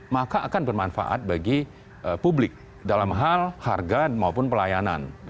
maka akan bermanfaat bagi publik dalam hal harga maupun pelayanan